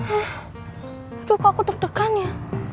aduh kok aku deg degan ya